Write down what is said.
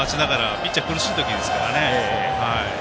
ピッチャー苦しい時ですからね。